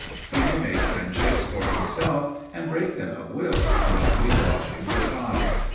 He may make friendships for himself and break them at will, lightly dodging the tie.